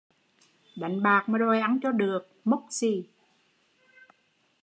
Đánh bạc mà đòi ăn cho được, mốc xì